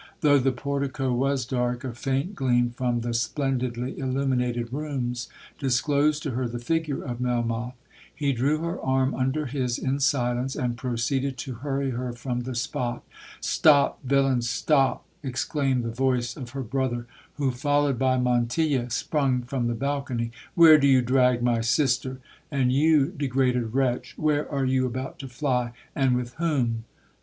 Though the portico was dark, a faint gleam from the splendidly illuminated rooms disclosed to her the figure of Melmoth. He drew her arm under his in silence, and proceeded to hurry her from the spot. 'Stop, villain, stop!' exclaimed the voice of her brother, who, followed by Montilla, sprung from the balcony—'Where do you drag my sister?—and you, degraded wretch, where are you about to fly, and with whom?'